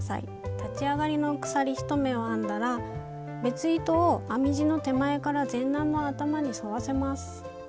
立ち上がりの鎖１目を編んだら別糸を編み地の手前から前段の頭に沿わせます。